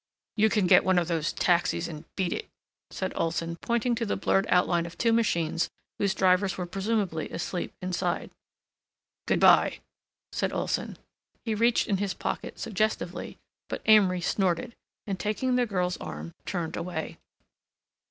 "You can get one of those taxis and beat it," said Olson, pointing to the blurred outline of two machines whose drivers were presumably asleep inside. "Good by," said Olson. He reached in his pocket suggestively, but Amory snorted, and, taking the girl's arm, turned away.